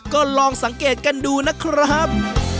ก็ลองสังเกตกันดูนะครับ